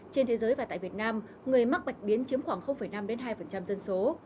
trên thế giới và tại việt nam người mắc bạch biến chiếm khoảng năm hai dân số